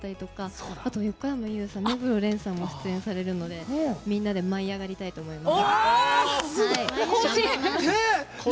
あと横山裕さん、目黒蓮さんも出場されるのでみんなで「舞いあがり」たいと思います。